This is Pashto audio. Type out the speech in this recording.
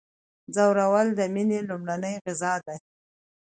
ځورول د میني لومړنۍ غذا ده.